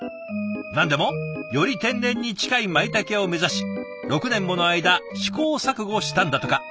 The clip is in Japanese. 何でもより天然に近いまいたけを目指し６年もの間試行錯誤したんだとか。